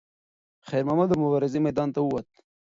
خیر محمد د مبارزې میدان ته وووت.